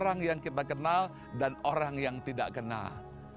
orang yang kita kenal dan orang yang tidak kenal